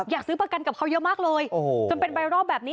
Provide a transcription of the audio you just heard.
อยากซื้อประกันกับเขาเยอะมากเลยจนเป็นไบรอลแบบนี้